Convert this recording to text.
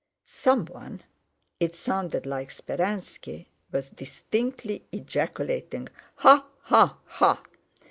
Someone—it sounded like Speránski—was distinctly ejaculating ha ha ha.